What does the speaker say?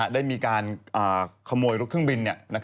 ได้มีการขโมยรถเครื่องบิน